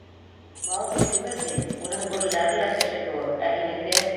Маугли түгел һин, уның бүреләре лә кеше кеүек, ә һинеке...